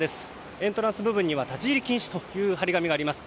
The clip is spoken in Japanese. エントランス部分には立ち入り禁止という貼り紙があります。